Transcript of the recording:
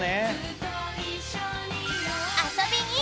［遊びに］